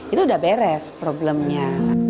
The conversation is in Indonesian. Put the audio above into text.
itu sudah beres problemnya